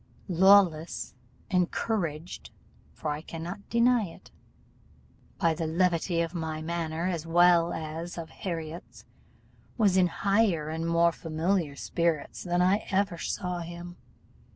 Lawless, encouraged (for I cannot deny it) by the levity of my manner, as well as of Harriot's, was in higher and more familiar spirits than I ever saw him.